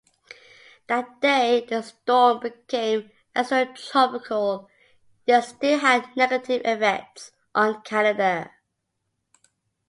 That day the storm became extratropical, yet still had negative effects on Canada.